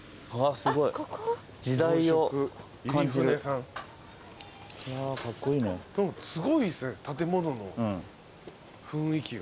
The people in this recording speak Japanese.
すごいっすね建物の雰囲気が。